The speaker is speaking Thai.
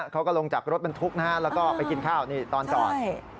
เขาก็ลงจากรถบรรทุกนะฮะแล้วก็ไปกินข้าวนี่ตอนจอด